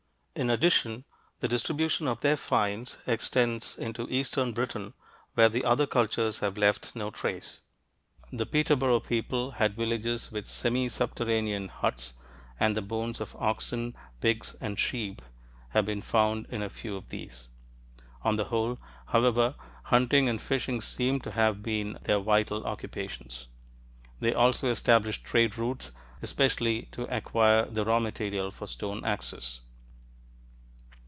In addition, the distribution of their finds extends into eastern Britain, where the other cultures have left no trace. The Peterborough people had villages with semi subterranean huts, and the bones of oxen, pigs, and sheep have been found in a few of these. On the whole, however, hunting and fishing seem to have been their vital occupations. They also established trade routes especially to acquire the raw material for stone axes.